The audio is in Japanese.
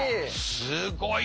すごいな。